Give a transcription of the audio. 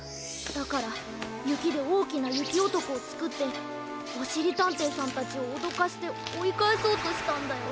だからゆきでおおきなゆきおとこをつくっておしりたんていさんたちをおどかしておいかえそうとしたんだよ。